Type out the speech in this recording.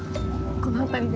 この辺りで。